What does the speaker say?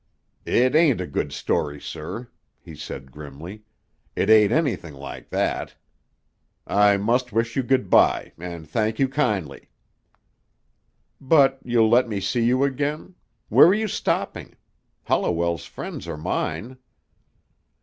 "It ain't a good story, sir," he said grimly. "It ain't anything like that. I must wish you good by, an' thank you kindly." "But you'll let me see you again? Where are you stopping? Holliwell's friends are mine."